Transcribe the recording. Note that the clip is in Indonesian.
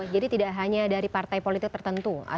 jadi tidak hanya dari partai politik tertentu